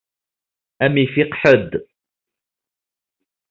Ad m-ifiq ḥedd.